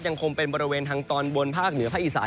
ยังคงเป็นบริเวณทางตอนบนภาคเหนือภาคอีสาน